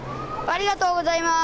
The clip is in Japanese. ありがとうございます。